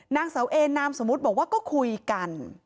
นางเสาเอนามสมมุติบอกว่าก็คุยกัน